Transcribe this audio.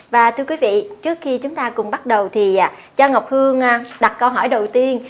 và thưa quý vị trước khi chúng ta cùng bắt đầu thì cho ngọc hương đặt câu hỏi đầu tiên